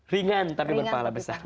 ringan tapi berpahala besar